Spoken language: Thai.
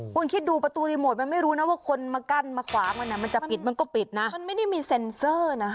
คุณคิดดูประตูรีโมทมันไม่รู้นะว่าคนมากั้นมาขวางมันอ่ะมันจะปิดมันก็ปิดนะมันไม่ได้มีเซ็นเซอร์นะ